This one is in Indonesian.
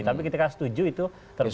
tapi ketika setuju itu terus